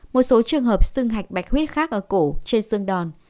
một số trường hợp sưng hạch bạch huyết khác ở cổ trên sưng đòn